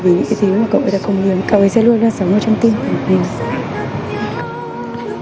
vì những cái gì mà cậu ấy đã công nhuận cậu ấy sẽ luôn luôn sống trong tim của mình